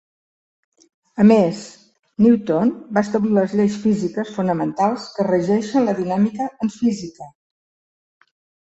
A més, Newton va establir les lleis físiques fonamentals que regeixen la dinàmica en física.